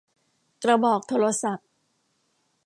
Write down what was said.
กระบอกโทรศัพท์